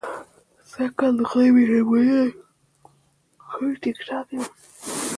سږ کال د خدای مهرباني ده، ښه ټیک ټاک یم.